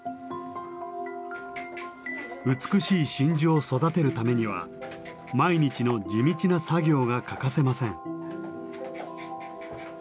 美しい真珠を育てるためには毎日の地道な作業が欠かせません。